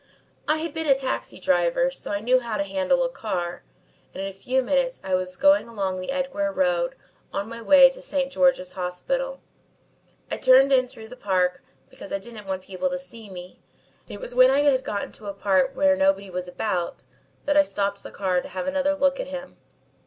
"I have been a taxi driver so I know how to handle a car and in a few minutes I was going along the Edgware Road, on my way to St. George's Hospital. I turned in through the park because I didn't want people to see me, and it was when I had got into a part where nobody was about that I stopped the car to have another look at him.